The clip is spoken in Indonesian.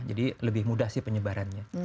jadi lebih mudah sih penyebarannya